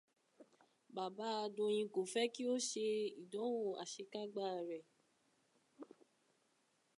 Bàbá Doyin kò fẹ́ kí ó ṣe ìdánwò àṣekágbá rẹ̀.